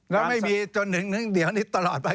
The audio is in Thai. แล้วไม่มีจนถึงเดี๋ยวนี้ตลอดไป